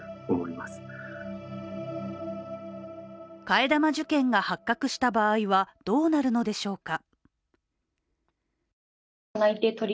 替え玉受検が発覚した場合はどうなるのでしょうか。